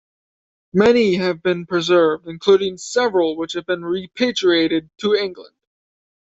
Many have been preserved, including several which have been repatriated to England.